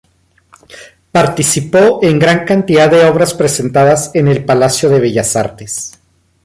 Participó en gran cantidad de obras presentadas en el Palacio de Bellas Artes.